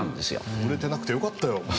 売れてなくてよかったよ。